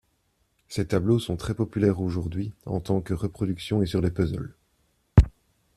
Ses tableaux sont très populaires aujourd'hui en tant que reproductions et sur les puzzles.